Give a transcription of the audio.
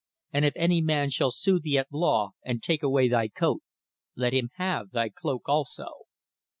And if any man shall sue thee at law, and take away thy coat, let him have thy cloak also."